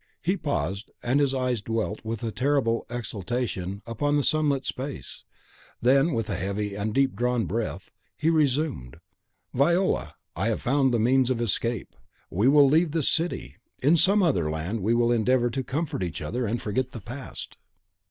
He paused, and his eyes dwelt with a terrible exultation upon the sunlit space; then, with a heavy and deep drawn breath, he resumed, "Viola, I have found the means of escape. We will leave this city. In some other land we will endeavour to comfort each other, and forget the past."